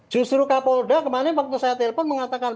justru kapolda kemarin waktu saya telepon mengatakan